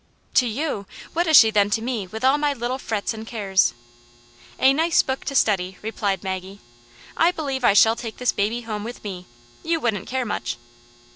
" To you ! What is she then to me with all my little frets and cares ?" "A nice book to study!" replied Maggie. "I believe 1 shall take this baby home with me. You wouldn't care much